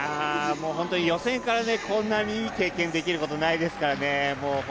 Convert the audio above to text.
本当に予選からこんなにいい経験できることないですからね